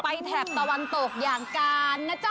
แถบตะวันตกอย่างการนะจ๊ะ